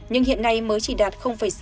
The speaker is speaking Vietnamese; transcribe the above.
nhưng hiện nay mới chỉ đạt sáu